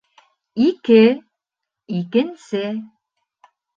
Ике, икенсе